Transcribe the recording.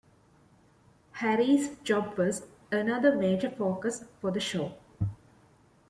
Harry's job was another major focus for the show.